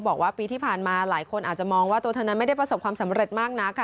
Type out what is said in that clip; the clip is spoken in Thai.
บอกว่าปีที่ผ่านมาหลายคนอาจจะมองว่าตัวเธอนั้นไม่ได้ประสบความสำเร็จมากนักค่ะ